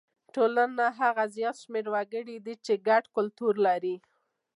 ټولنه هغه زیات شمېر وګړي دي چې ګډ کلتور لري.